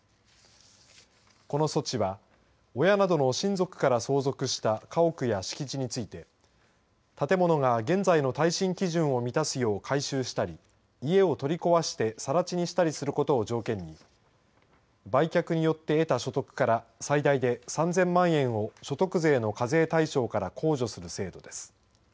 この措置は親などの親族から相続した家屋や敷地について建物が現在の耐震基準を満たすよう改修したり家を取り壊してさら地にしたりすることを条件に売却によって得た所得から最大で３０００万円を所得税の課税対象から控除する制度です。